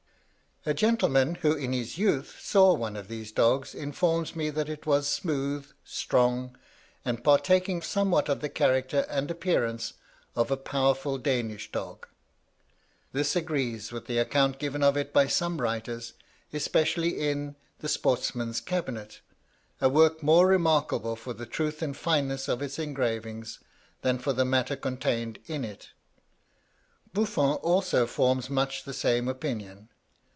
A gentleman, who in his youth saw one of these dogs, informs me that it was smooth, strong, and partaking somewhat of the character and appearance of a powerful Danish dog. This agrees with the account given of it by some writers, especially in "The Sportsman's Cabinet," a work more remarkable for the truth and fineness of its engravings, than for the matter contained in it. Buffon also forms much the same opinion.